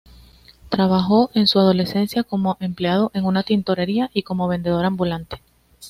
Trabajó en su adolescencia como empleado en una tintorería y como vendedor ambulante.